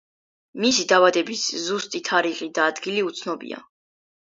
მისი დაბადების ზუსტი თარიღი და ადგილი უცნობია.